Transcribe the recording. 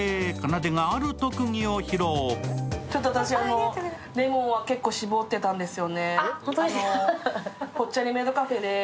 私、レモンは結構搾ってたんですよね。